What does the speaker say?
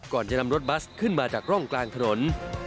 ก่อนจะนำรถบัสขึ้นมาจากร่องกลางถนน